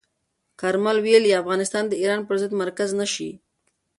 کارمل ویلي، افغانستان د ایران پر ضد مرکز نه شي.